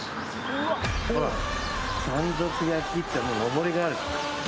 ほら「山賊焼」ってのぼりがある。